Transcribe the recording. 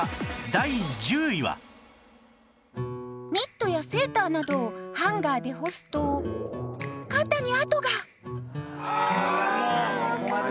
ニットやセーターなどをハンガーで干すと肩に跡が